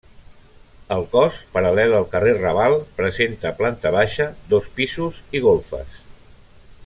El cos paral·lel al carrer Raval presenta planta baixa, dos pisos i golfes.